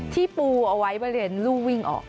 ที่ปูเอาไว้เบอร์เรนลู่วิ่งออก